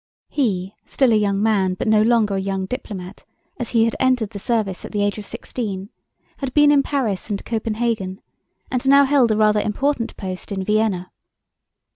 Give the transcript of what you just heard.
He was still a young man but no longer a young diplomat, as he had entered the service at the age of sixteen, had been in Paris and Copenhagen, and now held a rather important post in Vienna.